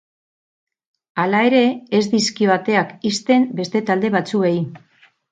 Hala ere, ez dizkio ateak ixten beste talde batzuei.